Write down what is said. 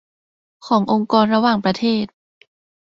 ขององค์กรระหว่างประเทศ